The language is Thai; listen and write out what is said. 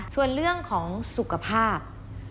ส่วนเรื่องของสุขภาพ